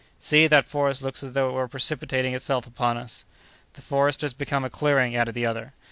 "See! that forest looks as though it were precipitating itself upon us!" "The forest has become a clearing!" added the other.